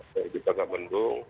jadi kita gak bendung